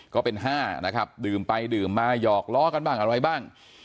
ก็เป็น๕นะครับดื่มไปดื่มมาหยอกล้อกันบ้างอะไรบ้าง